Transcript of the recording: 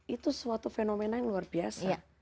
itu suatu fenomena yang luar biasa